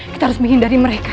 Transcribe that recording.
kita harus menghindari mereka